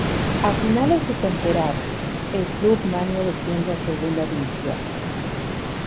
A finales de temporada, el club maño desciende a Segunda División.